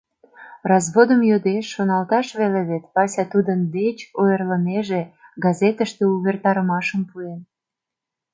Разводым йодеш, шоналташ веле вет, Вася тудын деч ойырлынеже, газетыште увертарымашым пуэн.